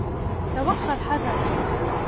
توخى الحذر.